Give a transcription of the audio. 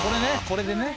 これでね。